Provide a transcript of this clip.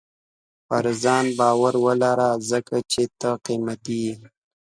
• پر ځان باور ولره، ځکه چې ته قیمتي یې.